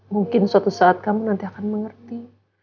mungkin suatu saat kamu nanti akan mengerti